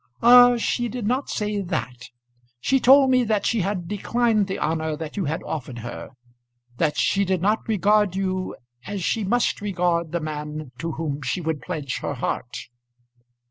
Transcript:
"Ah, she did not say that. She told me that she had declined the honour that you had offered her; that she did not regard you as she must regard the man to whom she would pledge her heart."